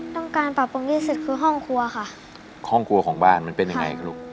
ต้องการปรับปรุงที่สุดคือห้องครัวค่ะห้องครัวของบ้านมันเป็นยังไงลูก